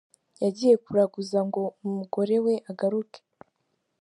Yagiye kuraguza ngo umugore we agaruke.